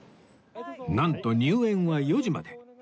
なんと入園は４時まで